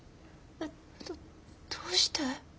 どどうして？